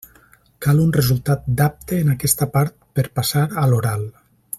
Cal un resultat d'apte en aquesta part per passar a l'oral.